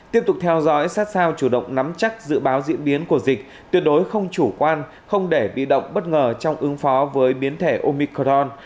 tiếp tục theo dõi sát sao chủ động nắm chắc dự báo diễn biến của dịch tuyệt đối không chủ quan không để bị động bất ngờ trong ứng phó với biến thể omicron